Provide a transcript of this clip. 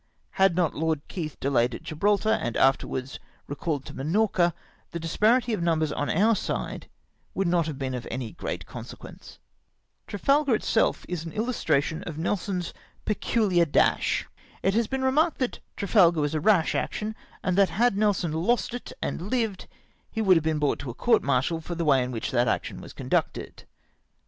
Had not Lord Keith been delayed at Gibraltar, and afterwards recalled to Minorca, the cUsparity of numbers on oiu" side would not have been of any great consequence. LORD KEITH APPOINTS ME TO THE GENEREUX. 89 Trafalgar itself is an illustration of Nelson's peculiar dasli. It has been remarked that Trafalgar was a rash action, and that had Nelson lost it and Kved he would have been brought to a court martial for the way in which that action was conducted.